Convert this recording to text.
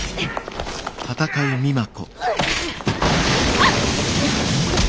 あっ！